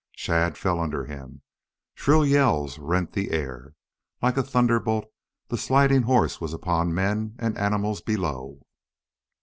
Shadd fell under him. Shrill yells rent the air. Like a thunderbolt the sliding horse was upon men and animals below.